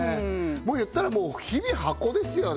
言ったらもう日々箱ですよね